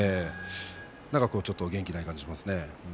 なんかちょっと元気がない感じがしますね。